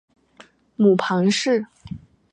母庞氏。